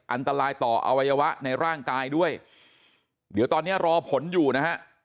อันตรายต่ออวัยวะในร่างกายด้วยเดี๋ยวตอนนี้รอผลอยู่นะฮะ